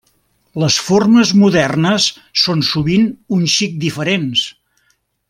Les formes modernes són sovint un xic diferents.